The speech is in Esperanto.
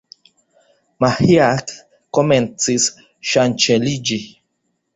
Maĥiac komencis ŝanĉeliĝi.